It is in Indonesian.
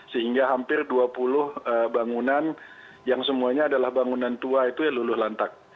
sehingga hampir dua puluh bangunan yang semuanya adalah bangunan tua itu ya luluh lantak